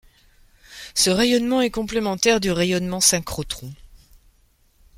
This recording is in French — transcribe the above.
Ce rayonnement est complémentaire du rayonnement synchrotron.